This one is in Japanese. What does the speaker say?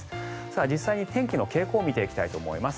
実際に天気の傾向を見ていきたいと思います。